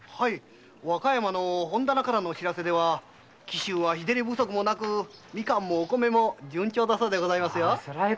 和歌山からの報せでは紀州は日照り不足もなくみかんもお米も順調だそうでございますよ。